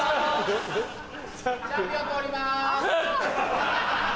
チャンピオン通ります。